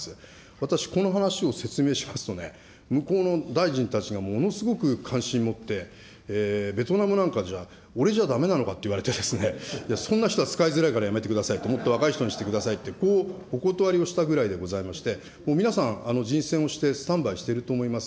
私、この話を説明しますとね、向こうの大臣たちがものすごく関心持って、ベトナムなんかじゃ、俺じゃだめなのかと言われて、そんな人は使いづらいからやめてくださいと、もっと若い人にしてくださいと、こうお断りをしたくらいでございまして、皆さん、人選をしてスタンバイをしていると思います。